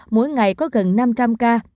mỗi ngày có gần năm trăm linh ca